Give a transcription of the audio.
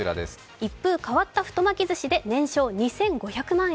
一風変わった太巻寿司で年商２５００万円。